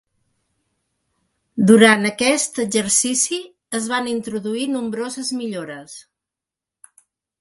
Durant aquest exercici es van introduir nombroses millores.